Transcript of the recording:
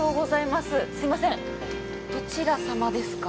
すいません、どちら様ですか？